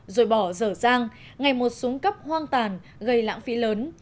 rồi bỏ rở rang ngày một xuống cấp hoang tàn gây lãng phí lớn